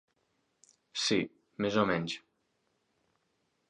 Sí, més o menys.